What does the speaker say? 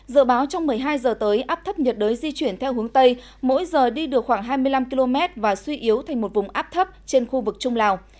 dự báo trong một mươi hai giờ tới áp thấp nhiệt đới di chuyển theo hướng tây mỗi giờ đi được khoảng hai mươi năm km và suy yếu thành một vùng áp thấp trên khu vực trung lào